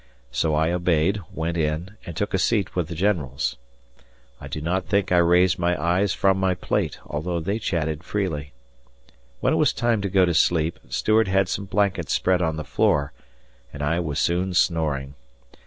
So I obeyed, went in, and took a seat with the generals. I do not think I raised my eyes from my plate, although they chatted freely. When it was time to go to sleep Stuart had some blankets spread on the floor, and I was soon snoring.